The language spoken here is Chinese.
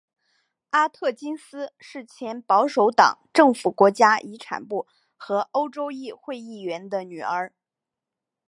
阿特金斯是前保守党政府国家遗产部和欧洲议会议员的女儿。